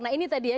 nah ini tadi ya